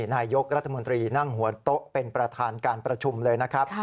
นายกรัฐมนตรีนั่งหัวโต๊ะเป็นประธานการประชุมเลยนะครับ